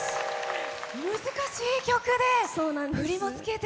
難しい曲で振りもつけて。